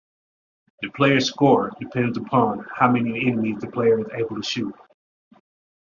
The player's score depends upon how many enemies the player is able to shoot.